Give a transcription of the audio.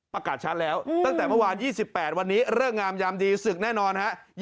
ประกาศชัดแล้วตั้งแต่เมื่อวาน๒๘วันนี้เลิกงามยามดีศึกแน่นอนฮะ